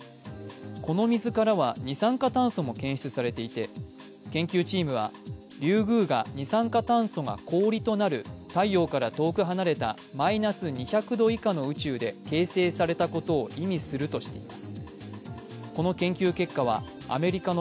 この水からは二酸化炭素も検出されていて研究チームは、リュウグウが二酸化炭素が氷となる太陽から遠く離れたマイナス２００度以下の宇宙で形成されたことを意味するとしています。